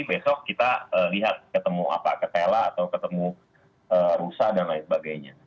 besok kita lihat ketemu apa ketela atau ketemu rusa dan lain sebagainya